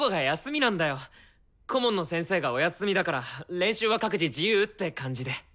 顧問の先生がお休みだから練習は各自自由って感じで。